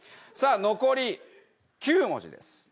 さあ残り９文字です。